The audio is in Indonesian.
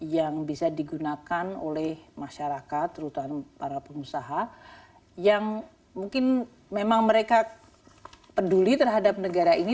yang bisa digunakan oleh masyarakat terutama para pengusaha yang mungkin memang mereka peduli terhadap negara ini